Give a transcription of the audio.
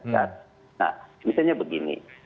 nah misalnya begini